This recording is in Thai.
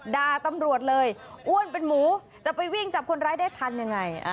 ด่าตำรวจเลยอ้วนเป็นหมูจะไปวิ่งจับคนร้ายได้ทันยังไง